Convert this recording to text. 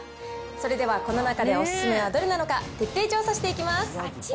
それではこの中でお勧めはどれなのか、徹底調査していきます。